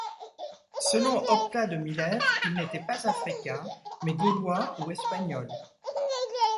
Selon Optat de Milève, il n'était pas Africain, mais Gaulois ou Espagnol.